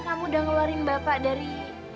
kamu udah ngeluarin bapak dari